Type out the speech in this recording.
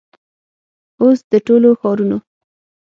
او س د ټولو ښارونو